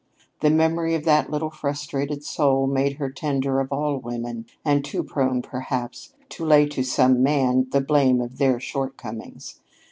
The memory of that little frustrated soul made her tender of all women, and too prone, perhaps, to lay to some man the blame of their shortcomings.